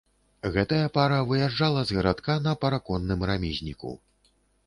Гэтая пара выязджала з гарадка на параконным рамізніку.